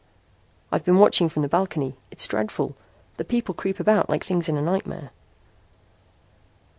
"I've been watching from the balcony. It's dreadful. The people creep about like things in a nightmare."